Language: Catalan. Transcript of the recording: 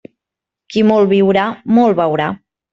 Qui molt viurà, molt veurà.